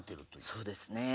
そうですね。